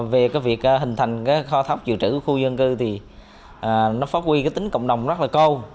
về việc hình thành kho thóc dự trữ khu dân cư thì nó phát huy tính cộng đồng rất là câu